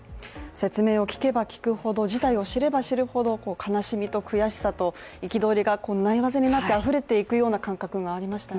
説明を聞けば聞くほど、事態を知れば知るほど悲しみと悔しさと憤りがないまぜになってあふれていくような感覚がありました。